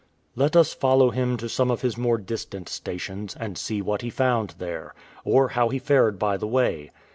Let us follow him to some of his more distant stations, and see what he found there, or how he fared by the way.